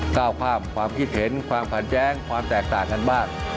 ก้าวข้ามความคิดเห็นความผ่านแย้งความแตกต่างกันบ้าง